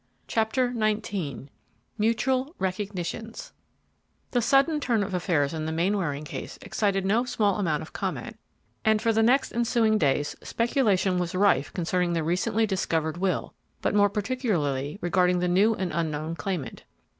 CHAPTER XIX MUTUAL RECOGNITIONS The sudden turn of affairs in the Mainwaring case excited no small amount of comment, and for the next ensuing days speculation was rife concerning the recently discovered will, but more particularly regarding the new and unknown claimant.